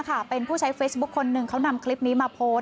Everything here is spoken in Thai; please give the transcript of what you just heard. ค่ะเป็นผู้ใช้เฟซบุ๊คคนหนึ่งเขานำคลิปนี้มาโพสต์